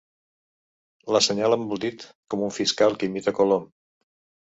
L'assenyala amb el dit com un fiscal que imita Colom.